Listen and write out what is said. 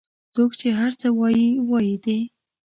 څوک چې هر څه وایي وایي دي